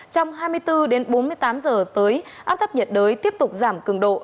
trong hai mươi bốn đến bốn mươi tám giờ tới áp thấp nhiệt đới tiếp tục giảm cường độ